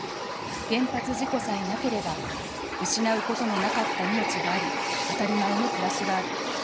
原発事故さえなければ、失うことのなかった命があり、あたりまえの暮らしがある。